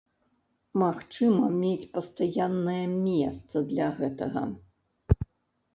Магчыма, мець пастаяннае месца для гэтага.